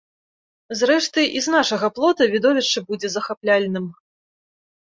Зрэшты, і з нашага плота відовішча будзе захапляльным.